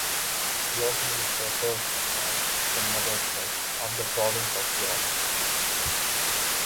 York Minster serves as the mother church of the Province of York.